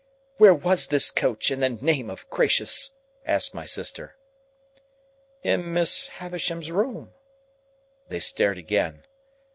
"Where was this coach, in the name of gracious?" asked my sister. "In Miss Havisham's room." They stared again.